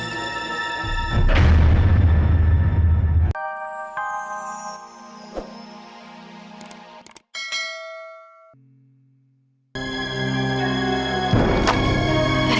kalo buat non zahira